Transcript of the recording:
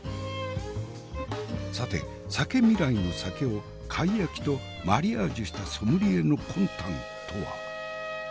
さて酒未来の酒を貝焼きとマリアージュしたソムリエの魂胆とは？